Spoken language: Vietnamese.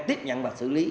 tiếp nhận và xử lý